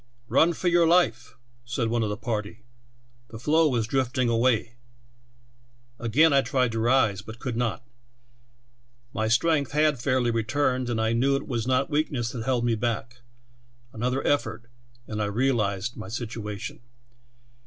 '"Run for your life!' said one of the party, ' The floe is drifting away !' 46 THE TALKING HANDKERCHIEF. "Again I tried to rise, but could not. My strength had fairly returned, and I knew it was not weakness that held me back. Another effort, and I realized my situation.